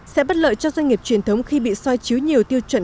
sẽ bất lợi cho doanh nghiệp truyền thống khi bị soi chiếu nhiều tiêu chuẩn